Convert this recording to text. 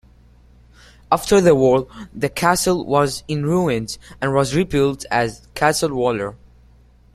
After the war the castle was in ruins and was rebuilt as Castle Waller.